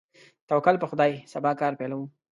توکل په خدای، سبا کار پیل کوو.